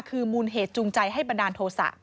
คือมูลเหตุจูงใจให้บันดาลโทษะ